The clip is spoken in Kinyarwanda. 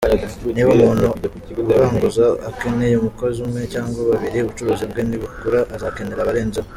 Niba umuntu uranguza akeneye umukozi umwe cyangwa babiri, ubucuruzi bwe nibukura azakenera abarenzeho.”